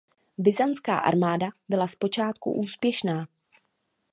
Byzantská armáda byla zpočátku úspěšná.